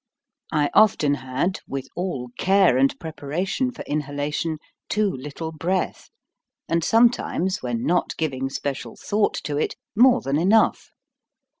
I often had, with all care and preparation for inhalation, too little breath, and sometimes, when not giving special thought to it, more than enough.